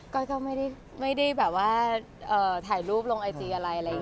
ก็ไม่ได้ถ่ายรูปลงไอจีอะไร